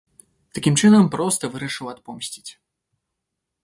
Такім чынам проста вырашыў адпомсціць.